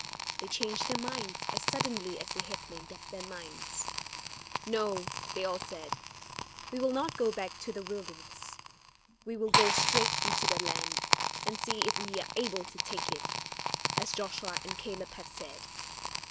They changed their minds as suddenly as they had made up their minds. "No," they all said, "we will not go back to the wilderness; we will go straight into the land, and see if we are able to take it, as Joshua and Caleb have said."